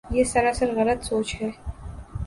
یہ سراسر غلط سوچ ہے۔